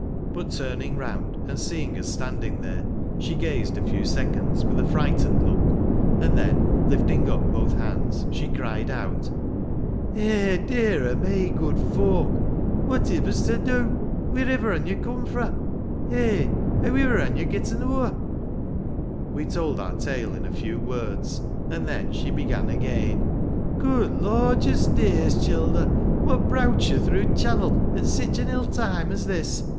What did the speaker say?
But, turning round, and seeing us standing there, she gazed a few seconds with a frightened look, and then lifting up both hands, she cried out, " Eh, dear o' me, good folk ! Whativver's to do? Whereivver han yo cum fra? Eh ; heawivver han yo getten ower ?" We told our tale in a few words ; and then she began again. " Good lorjus days, childer! What browt yo through t' channel at sich an ill time as this